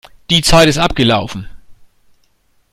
Die Zeit ist abgelaufen.